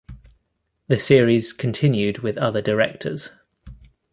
The series continued with other directors.